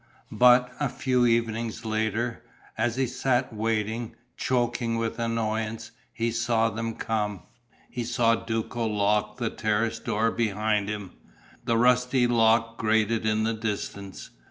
But, a few evenings later, as he sat waiting, choking with annoyance, he saw them come. He saw Duco lock the terrace door behind him: the rusty lock grated in the distance.